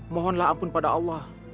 mohonlah ampun pada allah